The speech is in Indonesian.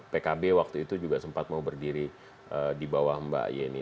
pkb waktu itu juga sempat mau berdiri di bawah mbak yeni